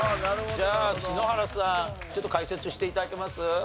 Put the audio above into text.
じゃあ篠原さんちょっと解説して頂けます？